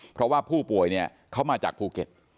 เพราะว่าผู้ป่วยเนี่ยเขามาจากภูเก็ต